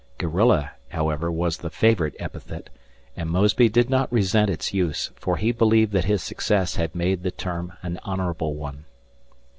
"Guerrilla", however, was the favorite epithet, and Mosby did not resent its use, for he believed that his success had made the term an honorable one.